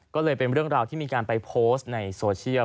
ก็เลยเป็นเรื่องราวที่มีการไปโพสต์ในโซเชียล